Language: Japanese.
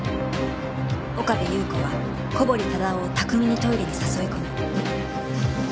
岡部祐子は小堀忠夫を巧みにトイレに誘い込み